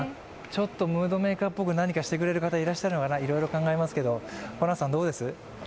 ちょっとムードメーカーっぽく何かしてくれる方がいるのかな、いろいろ考えますけど、ホランさんどうです？